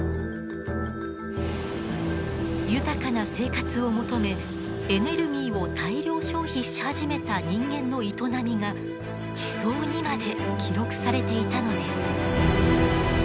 豊かな生活を求めエネルギーを大量消費し始めた人間の営みが地層にまで記録されていたのです。